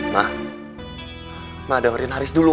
ma ma damarin haris dulu ma